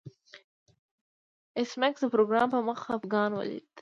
ایس میکس د پروګرامر په مخ خفګان ولید